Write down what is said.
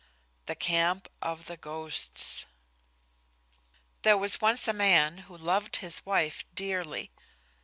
THE CAMP OF THE GHOSTS There was once a man who loved his wife dearly.